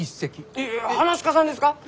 いや噺家さんですか！？